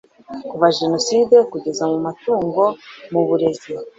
kuva genocide kugeza mu mutungo mu burezi